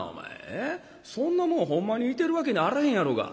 そんなもんほんまにいてるわけにあらへんやろが」。